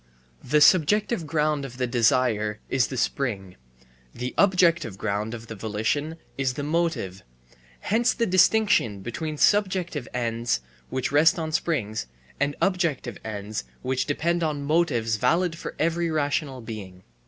The subjective ground of the desire is the spring, the objective ground of the volition is the motive; hence the distinction between subjective ends which rest on springs, and objective ends which depend on motives valid for every rational being.